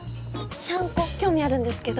シャンコ興味あるんですけど。